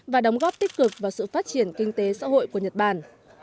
và đóng góp tích cực vào sự phát triển kinh tế xã hội của nhật bản